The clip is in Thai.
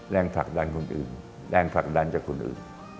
แรงผลักดันคนอื่นแรงผลักดันจากคนอื่น